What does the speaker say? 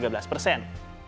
hingga tiga belas persen